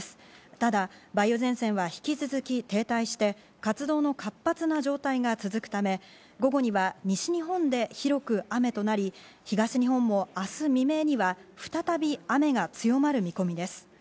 ただ梅雨前線は引き続き停滞して、活動の活発な状態が続くため、午後には西日本で広く雨となり、東日本も明日未明には再び雨が強まる見込みです。